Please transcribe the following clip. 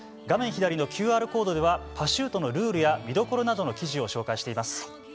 画面左のＱＲコードではパシュートのルールや見どころなどの記事を紹介しています。